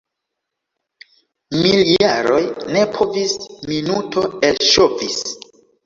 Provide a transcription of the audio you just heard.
Miljaroj ne povis - minuto elŝovis.